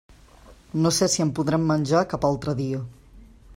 No sé si en podrem menjar cap altre dia.